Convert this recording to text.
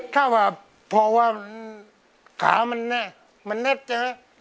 ถ้าว่าขามันแนบมันแนบใช่ไหม